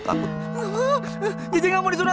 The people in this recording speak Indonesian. kamu ingin kumpulin suhu ini